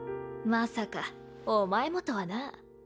まさかお前もとはなあ？